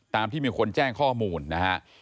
ที่มีคนแจ้งข้อมูลนะฮะ